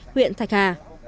huyện thạch hà